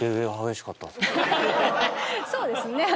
そうですね。